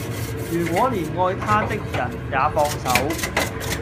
如果連愛他的人也放手